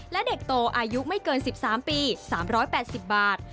และเด็กโตอายุไม่เกิน๑๓ปี๓๘๐บาท